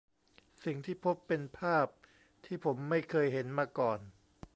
สิ่งที่พบเป็นภาพที่ผมไม่เคยเห็นมาก่อน